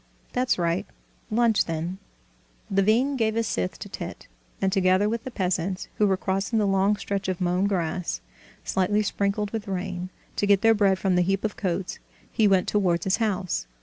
That's right; lunch, then." Levin gave his scythe to Tit, and together with the peasants, who were crossing the long stretch of mown grass, slightly sprinkled with rain, to get their bread from the heap of coats, he went towards his house.